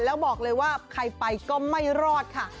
แล้วบอกเลยว่าใครไปก็ไม่รอดค่ะ